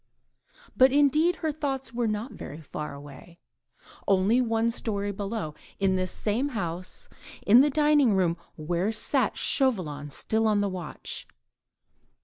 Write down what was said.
But indeed her thoughts were not very far away: only one storey below, in this same house, in the dining room where sat Chauvelin still on the watch.